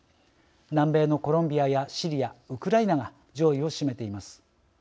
南米のコロンビアやシリアウクライナが上位を占めています。